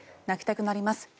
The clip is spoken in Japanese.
泣きたくなります